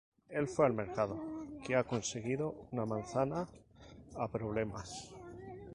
Él fue al mercado que ha conseguido una manzana a problemas.